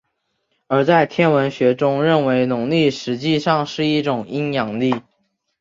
而在天文学中认为农历实际上是一种阴阳历。